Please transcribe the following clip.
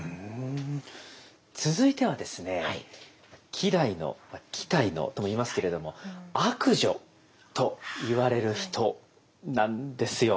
続いてはですね希代の「きたいの」とも言いますけれども悪女といわれる人なんですよ。